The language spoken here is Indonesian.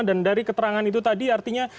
dan dari keterangan itu tadi artinya